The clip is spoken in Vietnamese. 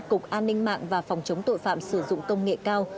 cục an ninh mạng và phòng chống tội phạm sử dụng công nghệ cao